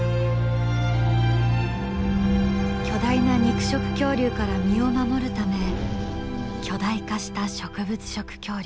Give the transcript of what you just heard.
巨大な肉食恐竜から身を守るため巨大化した植物食恐竜。